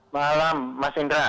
malam mas indra